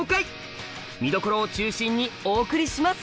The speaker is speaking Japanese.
見どころを中心にお送りします！